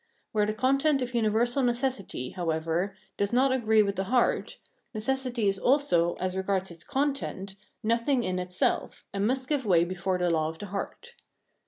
Where the content of universal necessity, however, does not agree with the heart, necessity is also, as regards its content, nothing in itself, and must give way before the law of the heart.